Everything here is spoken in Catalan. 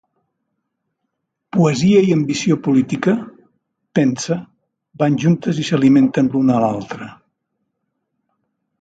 Poesia i ambició política, pensa, van juntes i s'alimenten l'una de l'altra.